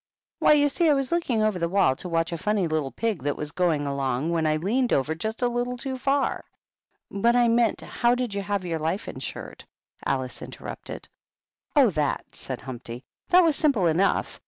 " Why, you see, I was looking over the wall to watch a funny little pig that was going along, when I leaned over just a little too far " "But I meant how did you have your life insured?" Alice interrupted. " Oh, that /" said Humpty. " That was simple enough.